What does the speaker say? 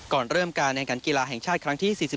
ก่อนเริ่มการแข่งขันกีฬาแห่งชาติครั้งที่๔๑